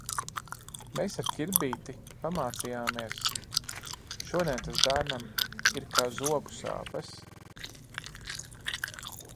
Mēs ar ar Ķirbīti pamācījāmies, šodien tas bērnam ir kā zobu sāpes.